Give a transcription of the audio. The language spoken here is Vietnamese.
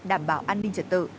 đảm bảo an ninh trật tự